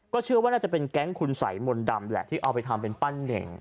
เชื่อว่าน่าจะเป็นแก๊งคุณสัยมนต์ดำแหละที่เอาไปทำเป็นปั้นเน่ง